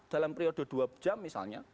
dalam periode dua jam misalnya